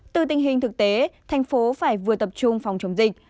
từ tình hình thực tế thành phố phải vừa tập trung phòng chống dịch